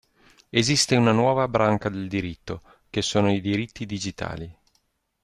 Esiste una nuova branca del diritto che sono i diritti digitali.